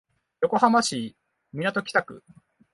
横浜市港北区